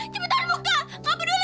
cepetan buka gak peduli buka